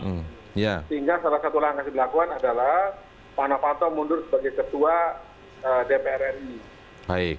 sehingga salah satulah yang harus dilakukan adalah pak novanto mundur sebagai ketua dpr ri